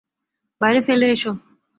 বাইরে ফেলে এসো!